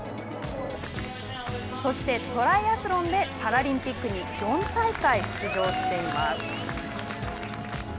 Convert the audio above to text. そして、トライアスロンでパラリンピックに４大会出場しています。